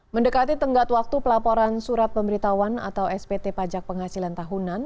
mendekati tenggat waktu pelaporan surat pemberitahuan atau spt pajak penghasilan tahunan